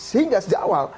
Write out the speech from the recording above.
sehingga sejak awal